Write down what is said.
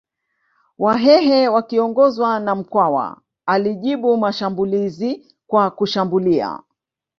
Wahehe wakiongozwa na Mkwawa alijibu mashambulizi kwa kushambulia